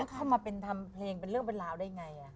เข้ามาทำเพลงเป็นเรื่องบรรลาวได้ไง